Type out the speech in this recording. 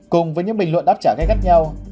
cùng với những bình luận đáp trả gây gắt nhau